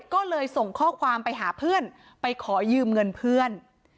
ก็เลยส่งข้อความไปหาเพื่อนไปขอยืมเงินเพื่อน